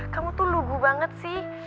kamu tuh lugu banget sih